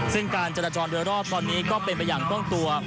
ซึ่งการจราจรโดยรอบตอนนี้ก็เป็นไปอย่างต้องตัว